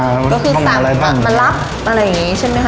ก็คือสั่งมารับอะไรอย่างนี้ใช่ไหมคะ